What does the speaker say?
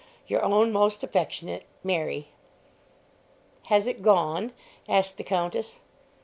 Your own most affectionate MARY. "Has it gone?" asked the Countess.